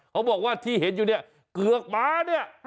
เขาบอกว่าที่เห็นอยู่เนี่ยเกือกหมาเนี่ย